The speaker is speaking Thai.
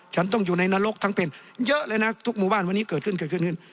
ฉันต้องอยู่ในนรกทั้งเป็นเยอะเลยนะทุกหมู่บ้านวันนี้เกิดขึ้นเกิดขึ้น